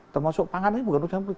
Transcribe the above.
termasuk pangan ini bukan urusan politik